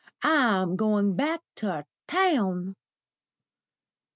I'm going back to town."